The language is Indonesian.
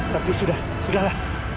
tapi sudah serigala